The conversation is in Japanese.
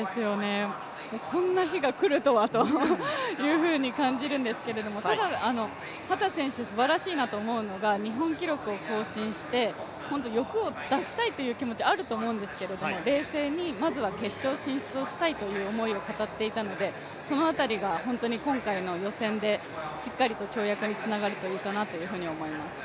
こんな日が来るとはというふうに感じるんですけど、ただ、秦選手すばらしいなと思うのは日本記録を更新して本当に欲を出したいという気持ちがあると思うんですけど、冷静にまずは決勝進出をしたいという思いを語っていたのでその辺りが本当に今回の予選でしっかりと跳躍につながるといいかなと思います。